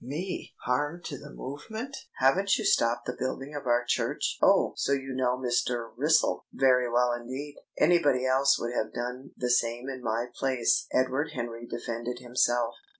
"Me harm to the movement?" "Haven't you stopped the building of our church?" "Oh! So you know Mr. Wrissell?" "Very well indeed." "Anybody else would have done the same in my place," Edward Henry defended himself.